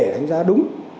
đánh giá đúng